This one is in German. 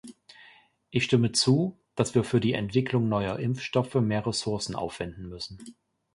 Ich stimme zu, dass wir für die Entwicklung neuer Impfstoffe mehr Ressourcen aufwenden müssen.